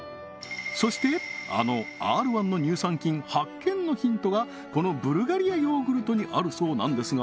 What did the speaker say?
そしてあのＲ−１の乳酸菌発見のヒントがこのブルガリアヨーグルトにあるそうなんですが